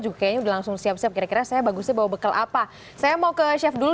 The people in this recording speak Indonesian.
juga kayaknya udah langsung siap siap kira kira saya bagusnya bawa bekal apa saya mau ke chef dulu